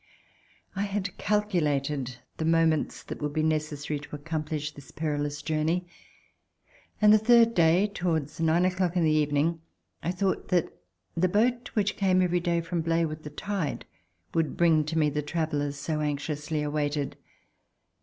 I had calculated the moments that would be neces sary to accomplish this perilous journey, and the third day, towards nine o'clock in the evening, I thought that the boat which came every day from Blaye with the tide would bring to me the travelers so anxiously awaited.